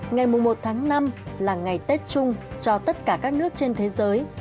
ngày một tháng năm là ngày tết chung cho tất cả các nước trên thế giới